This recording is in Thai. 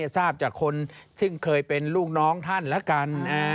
ทราบจากคนซึ่งเคยเป็นลูกน้องท่านแล้วกัน